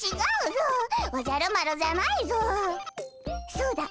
そうだ！